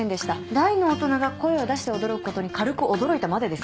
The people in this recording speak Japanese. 大の大人が声を出して驚くことに軽く驚いたまでです。